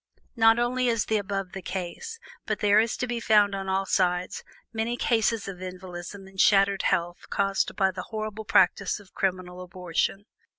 Not only is the above the case, but there is to be found on all sides many cases of invalidism and shattered health caused by the horrible practice of criminal abortion.